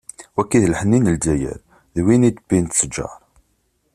Wagi d lḥenni n Lzzayer, d win i d-wwin tteǧǧar.